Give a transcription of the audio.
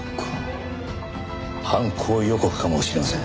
犯行予告かもしれません。